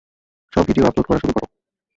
সব video upload করা শুরু কর।